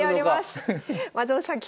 松本さん